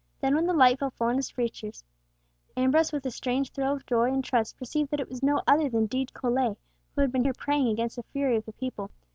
Then, when the light fell full on his features, Ambrose with a strange thrill of joy and trust perceived that it was no other than Dean Colet, who had here been praying against the fury of the people.